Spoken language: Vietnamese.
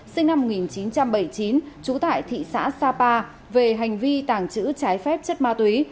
sinh năm một nghìn chín trăm bảy mươi chín trú tại thị xã sapa về hành vi tàng trữ trái phép chất ma túy